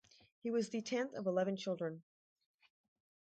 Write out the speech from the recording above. He was the tenth of eleven children.